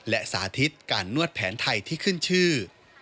และสาธิตการนวดแผนไทยที่ขึ้นชื่อ